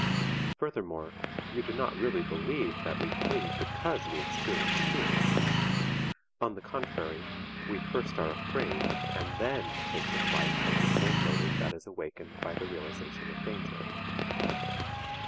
Furthermore, you do not really believe that we flee because we experience fear? On the contrary, we first are afraid and then take to flight from the same motive that is awakened by the realization of danger.